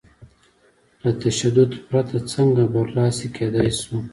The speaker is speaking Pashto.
له تشدد پرته څنګه برلاسي کېدای شو؟